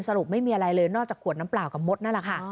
ไม่มีอะไรเลยนอกจากขวดน้ำเปล่ากับมดนั่นแหละค่ะ